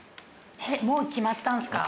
もう決まったんすか？